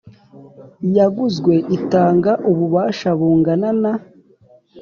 yaguzwe itanga ububasha bungana na